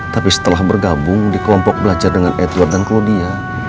tapi setelah bergabung di kelompok belajar dengan edward dan clodia